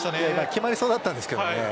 決まりそうだったんですけどね。